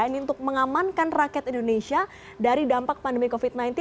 ini untuk mengamankan rakyat indonesia dari dampak pandemi covid sembilan belas